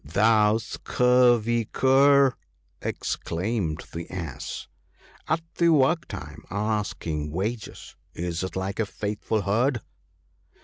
" Thou scurvy cur !" exclaimed the Ass —" At the work time, asking wages — is it like a faithful herd